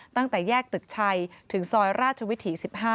ตั้งแต่แยกตึกชัยถึงซอยราชวิถี๑๕